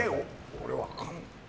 俺、分からない。